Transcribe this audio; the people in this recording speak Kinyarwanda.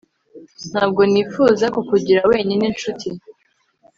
ntabwo nifuza kukugira wenyine, nshuti